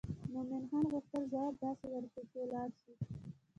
مومن خان غوښتل ځواب داسې ورکړي چې ولاړ شي.